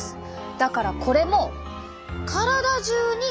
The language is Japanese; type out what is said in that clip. だからこれも体中にあるはず。